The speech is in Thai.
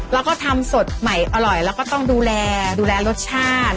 แล้วก็ทำสดใหม่อร่อยแล้วก็ต้องดูแลดูแลรสชาติ